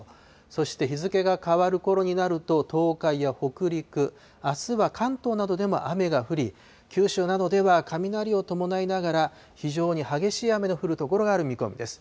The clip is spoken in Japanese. そして日付が変わるころになると、東海や北陸、あすは関東などでも雨が降り、九州などでは雷を伴いながら、非常に激しい雨の降る所がある見込みです。